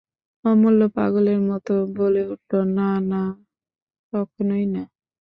অমূল্য পাগলের মতো বলে উঠল, না না না, কখনোই না!